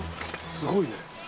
すごいね。